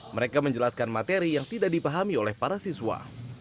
mereka menjelaskan materi yang tidak dipahami oleh para siswa